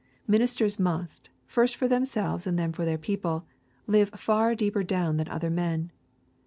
Ministers must, first for themselves and then for their people, live far deeper down than other men.